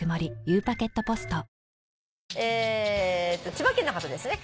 千葉県の方ですね。